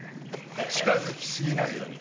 近づきすぎないように。